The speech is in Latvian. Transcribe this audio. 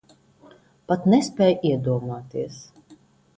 Pat nespēj iedomāties.